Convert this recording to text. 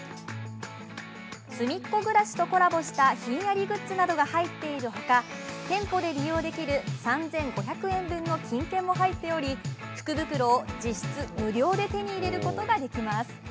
「すみっコぐらし」とコラボしたひんやりグッズなどが入っているほか店舗で利用できる３５００円分の金券も入っており福袋を実質無料で手に入れることができます。